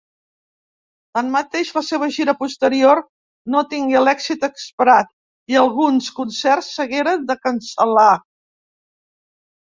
Tanmateix la seva gira posterior no tingué l'èxit esperat i alguns concerts s'hagueren de cancel·lar.